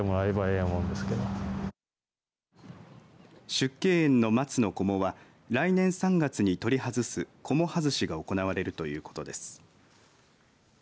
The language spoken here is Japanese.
縮景園の松のこもは来年３月に取り外す、こも外しが行われるということです。